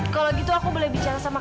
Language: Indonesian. kalau gitu aku boleh bicara sama